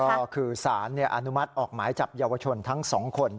ก็คือศาลเนี่ยอนุมัติออกหมายจับเยาวชนทั้งสองคน